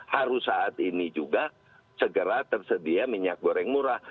harus saat ini juga segera tersedia minyak goreng murah